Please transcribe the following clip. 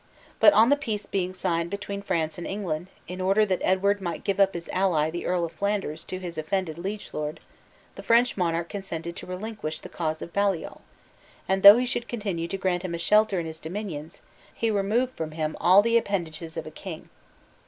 But on the peace being signed between France and England, in order that Edward might give up his ally the Earl of Flanders to his offended liege lord, the French monarch consented to relinquish the cause of Baliol, and though he should continue to grant him a shelter in his dominions, he removed from him all the appendages of a king.